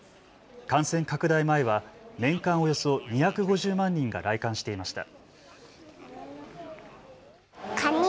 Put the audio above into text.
感染拡大前は年間およそ２５０万人が来館していました。